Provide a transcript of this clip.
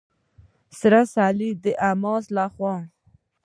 سره صلیب د حماس لخوا.